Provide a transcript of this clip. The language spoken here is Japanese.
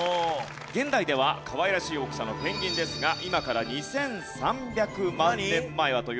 現代ではかわいらしい大きさのペンギンですが今から２３００万年前はというと。